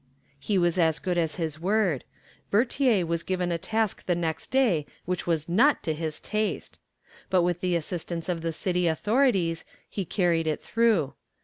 He was as good as his word. Bertier was given a task the next day which was not to his taste. But with the assistance of the city authorities he carried it through.